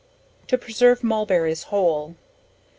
To preserve Mulberries whole.